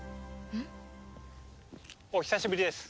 ん？お久しぶりです。